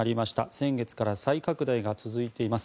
先月から再拡大が続いています。